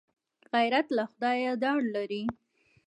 غیرت له خدایه ډار لري